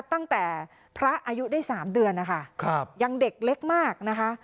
ตั้งแต่พระอายุได้๓เดือนนะคะยังเด็กเล็กมากนะคะ